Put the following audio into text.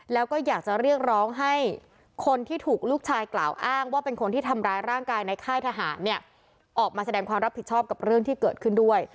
แล้วก็อยากจะเรียกร้องให้คนที่ถูกลูกชายกล่าวอ้างว่าเป็นคนที่ทำร้ายร่างกายในค่ายทหารเนี่ยออกมาแสดงความรับผิดชอบกับเรื่องที่เกิดขึ้นด้วย